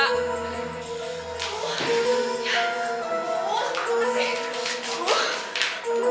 oh keras ya